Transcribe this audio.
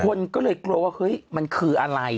คนก็เลยกลัวว่าเฮ้ยมันคืออะไร